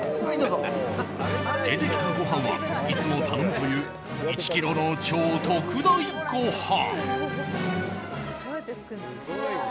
出てきたご飯はいつも頼むという１ｋｇの超特大ご飯。